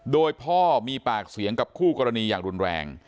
โดยพ่อมีปากเสียงกับคู่กรณีอย่างรุนแรง